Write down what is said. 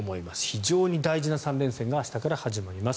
非常に大事な３連戦が明日から始まります。